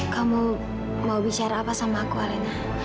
kamu mau bicara apa sama aku alena